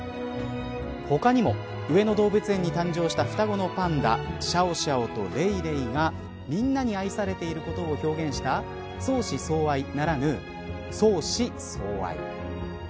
他にも上野動物園に誕生した双子のパンダシャオシャオとレイレイが皆に愛されていることを表現した相思相愛ならぬ双子総愛。